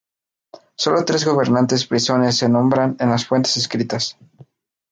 Sólo tres gobernantes frisones se nombran en las fuentes escritas.